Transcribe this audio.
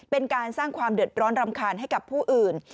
เป็นการสร้างความเดือดร้อนรำคาญให้กับผู้อื่น